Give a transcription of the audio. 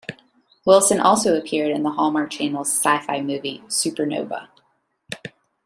Wilson also appeared in the Hallmark Channel's sci-fi movie, "Supernova".